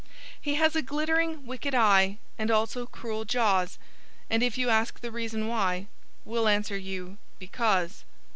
He has a glittering, wicked eye And also cruel jaws. And if you ask the reason why, We'll answer you, _"Because!"